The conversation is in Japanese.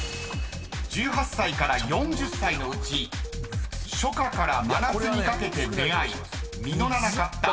［１８歳から４０歳のうち初夏から真夏にかけて出会い実らなかった］